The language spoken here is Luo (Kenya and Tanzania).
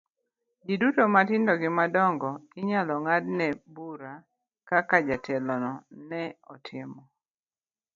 Ji duto matindo gi madongo inyalo ng'adnegi bura kaka jatelo no ne otimo.